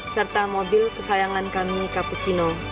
serta mobil kesayangan kami cappuccino